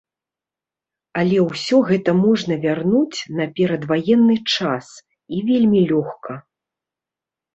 Але ўсё гэта можна вярнуць на перадваенны час, і вельмі лёгка.